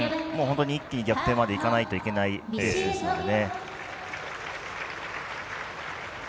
一気に逆転までいかないといけないシーンですよね。